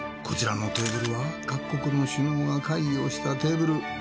こちらのテーブルは各国の首脳が会議をしたテーブル。